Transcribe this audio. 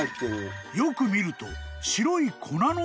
［よく見ると］